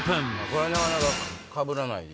これはなかなかかぶらない。